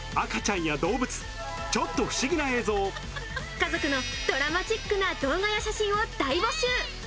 家族のドラマチックな動画や写真を大募集。